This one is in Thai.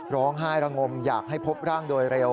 ร้องไห้ระงมอยากให้พบร่างโดยเร็ว